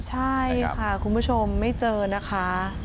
ใช่ค่ะคุณผู้ชมไม่เจอนะคะ